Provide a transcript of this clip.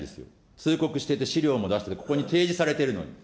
通告してて資料も出しててここに提示されてるのに。